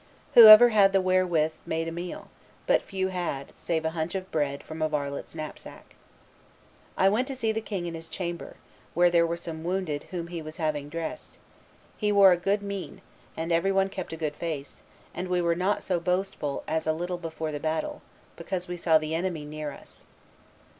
Whoever had the wherewith made a meal, but few had, save a hunch of bread from a varlet's knapsack. I went to see the king in his chamber, where there were some wounded whom he was having dressed; he wore a good mien, and every one kept a good face; and we were not so boastful as a little before the battle, because we saw the enemy near us."